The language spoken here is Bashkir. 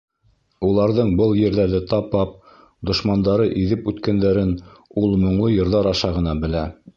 Уларҙың был ерҙәрҙе тапап, дошмандары иҙеп үткәндәрен ул моңло йырҙар аша ғына белә.